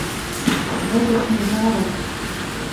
Гэта ж не зараз.